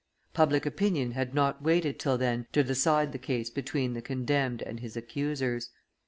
Public opinion had not waited till then to decide the case between the condemned and his accusers.